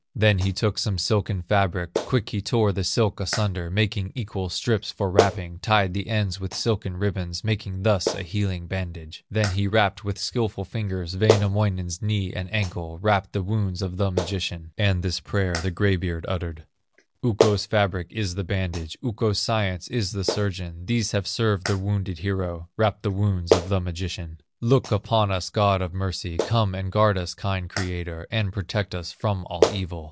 Then he took some silken fabric, Quick he tore the silk asunder, Making equal strips for wrapping, Tied the ends with silken ribbons, Making thus a healing bandage; Then he wrapped with skilful fingers Wainamoinen's knee and ankle, Wrapped the wounds of the magician, And this prayer the gray beard uttered "Ukko's fabric is the bandage, Ukko's science is the surgeon, These have served the wounded hero, Wrapped the wounds of the magician. Look upon us, God of mercy, Come and guard us, kind Creator, And protect us from all evil!